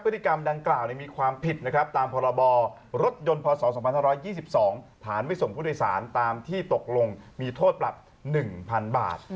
๑๒๒ฐานวิสงค์ผู้โดยสารตามที่ตกลงมีโทษปรับ๑๐๐๐บาท